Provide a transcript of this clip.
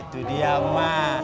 itu dia ma